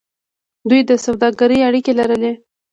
دوی د سوداګرۍ اړیکې لرلې.